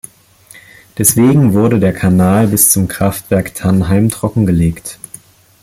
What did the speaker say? Deswegen wurde der Kanal bis zum Kraftwerk Tannheim trockengelegt.